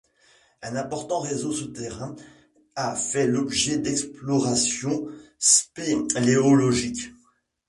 Un important réseau souterrain a fait l'objet d'explorations spéléologiques.